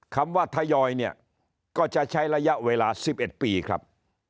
คำว่าทยอยเนี่ยก็จะใช้ระยะเวลา๑๑ปีครับ